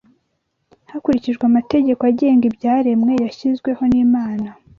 Hakurikijwe amategeko agenga ibyaremwe yashyizweho n’Imana